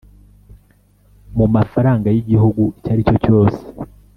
mu mafaranga y igihugu icyo aricyo cyose